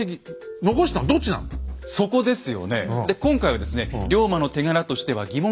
そこですよね。